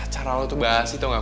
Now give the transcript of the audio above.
cara lo tuh basi tau gak